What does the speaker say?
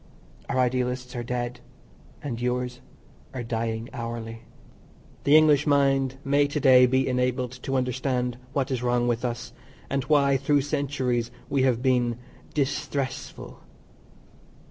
Our idealists are dead and yours are dying hourly. The English mind may to day be enabled to understand what is wrong with us, and why through centuries we have been "disthressful."